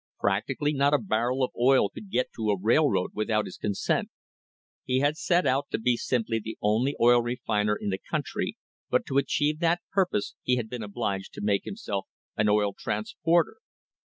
Practically not a barrel of oil could get to a railroad without his consent. He had set out to be simply the only oil refiner in the country, but to achieve that purpose he had been obliged to make himself an oil transporter.